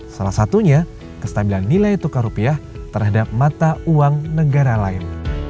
salah satunya kestabilan nilai tukar rupiah terhadap mata uang negara lain